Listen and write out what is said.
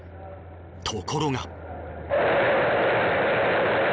ところが。